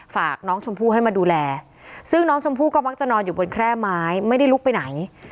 ฝากน้องชมพู่ให้มาดูแลซึ่งน้องชมพู่ก็มักจะนอนอยู่บนแคร่ไม้ไม่ได้ลุกไปไหน